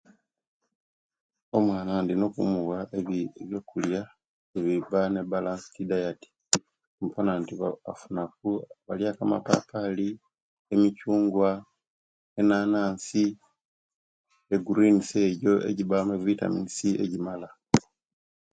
Omwana indina okumuwa ebi ebyokulia ebibba ne ebalanced diet nimpona nti ba afunaku baliaku amapapali emichungwa enanasi egurinis ejo ejibamu evitaminis ejimala